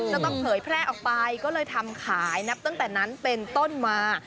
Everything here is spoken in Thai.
จะต้องเผยแพร่ออกไปก็เลยทำขายนับตั้งแต่นั้นเป็นต้นมา